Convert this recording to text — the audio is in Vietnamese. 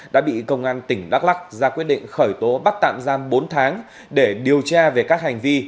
đã bị công an tỉnh đắk lắc ra quyết định khởi tố bắt tạm giam bốn tháng để điều tra về các hành vi